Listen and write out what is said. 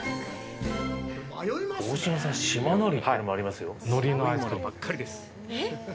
大島産島のりというのもありますよ。